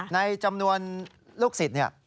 ในจำนวนลูกศิษย์เนี่ย